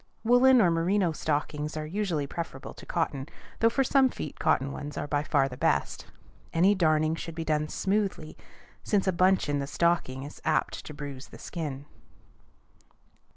Woollen or merino stockings are usually preferable to cotton, though for some feet cotton ones are by far the best. Any darning should be done smoothly, since a bunch in the stocking is apt to bruise the skin.